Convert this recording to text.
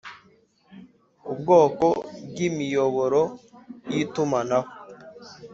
ubwoko bw imiyoboro y itumanaho